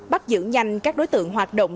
bắt giữ nhanh các đối tượng hoạt động